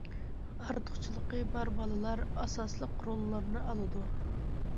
ئارتۇقچىلىقى بار بالىلار ئاساسلىق روللارنى ئالىدۇ.